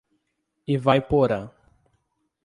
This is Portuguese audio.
Ivaiporã